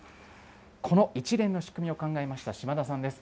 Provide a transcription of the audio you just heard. この一連の仕組みを考えました島田さんです。